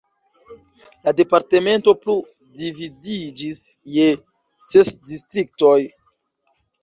La departemento plu dividiĝis je ses distriktoj.